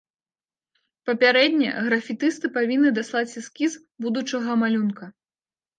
Папярэдне графітысты павінны даслаць эскіз будучага малюнка.